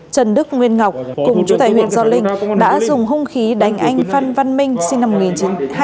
trần đức nguyên ngọc cùng chú tại huyện gio linh đã dùng hung khí đánh anh phan văn minh